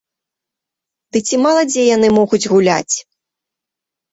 Ды ці мала дзе яны могуць гуляць.